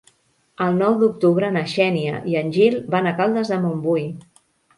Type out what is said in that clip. El nou d'octubre na Xènia i en Gil van a Caldes de Montbui.